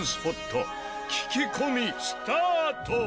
聞き込みスタート！